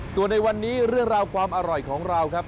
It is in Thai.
ส่วนในวันนี้เรื่องราวความอร่อยของเราครับ